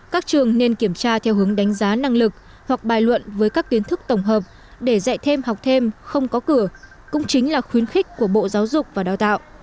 các trường nên kiểm tra theo hướng đánh giá năng lực hoặc bài luận với các kiến thức tổng hợp để dạy thêm học thêm không có cửa cũng chính là khuyến khích của bộ giáo dục và đào tạo